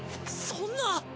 そんな！